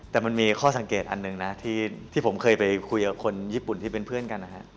แต่มันมีข้อสังเกตอันหนึ่งนะที่ผมเคยไปคุยกับคนญี่ปุ่นที่เป็นเพื่อนกันนะฮะ